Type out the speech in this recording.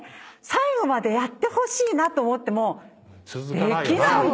最後までやってほしいなと思ってもできないのよ。